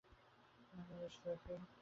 সে বাংলা লেখা বেশ বোঝে।